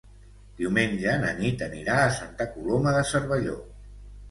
Diumenge na Nit anirà a Santa Coloma de Cervelló.